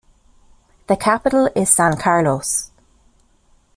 The capital is San Carlos.